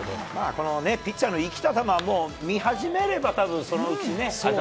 このピッチャーの生きた球をもう見始めれば、たぶんそのうちね。